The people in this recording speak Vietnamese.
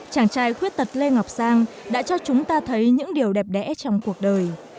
chàng trai khuyết tật lê ngọc sang đã cho chúng ta thấy những điều đẹp đẽ trong cuộc đời